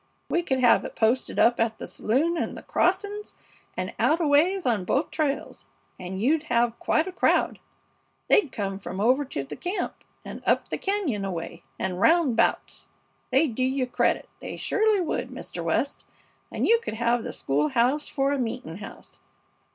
We could have it posted up at the saloon and the crossings, and out a ways on both trails, and you'd have quite a crowd. They'd come from over to the camp, and up the cañon way, and roundabouts. They'd do you credit, they surely would, Mr. West. And you could have the school house for a meeting house.